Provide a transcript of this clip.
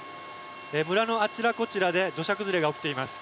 村のあちらこちらで土砂崩れが起きています。